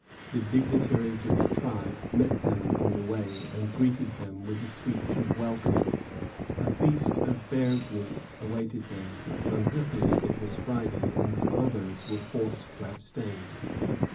The dignitaries of the tribe met them on the way, and greeted them with a speech of welcome. A feast of bear's meat awaited them; but, unhappily, it was Friday, and the fathers were forced to abstain.